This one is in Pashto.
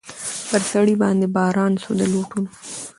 پر سړي باندي باران سو د لوټونو